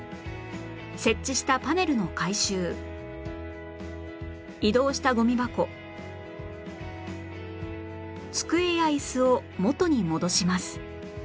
設置したパネルの回収移動したゴミ箱机やイスを元に戻します